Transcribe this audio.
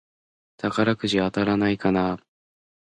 宝くじ当たらないかなぁ